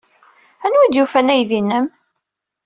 Anwa ay d-yufan aydi-nnem?